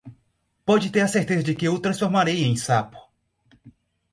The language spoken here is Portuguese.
pode ter a certeza de que o transformarei em sapo.